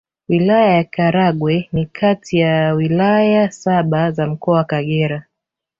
Wilaya ya Karagwe ni kati ya Wilaya saba za Mkoa wa Kagera